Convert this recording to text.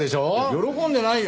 喜んでないよ！